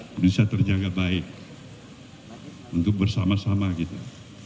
bisa terjaga baik untuk bersama sama kita